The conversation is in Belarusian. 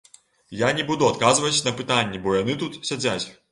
Я не буду адказваць на пытанні, бо яны тут сядзяць.